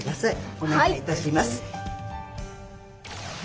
おねがいいたします。